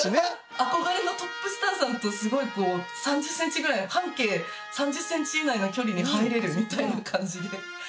憧れのトップスターさんとすごいこう半径３０センチ以内の距離に入れるみたいな感じで。